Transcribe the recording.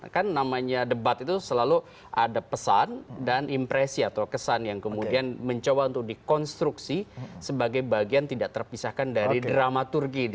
kan namanya debat itu selalu ada pesan dan impresi atau kesan yang kemudian mencoba untuk dikonstruksi sebagai bagian tidak terpisahkan dari dramaturgi